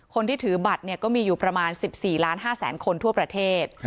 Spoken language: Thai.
คนที่ถือบัตรก็มีอยู่ประมาณ๑๔ล้าน๕แสนคนทั่วประเทศ